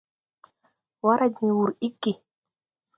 Wara diŋ wur iggi.